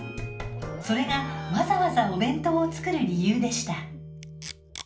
それがわざわざお弁当を作る理由でした。